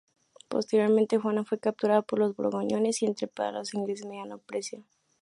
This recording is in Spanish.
Posteriormente, Juana fue capturada por los borgoñones y entregada a los ingleses mediando precio.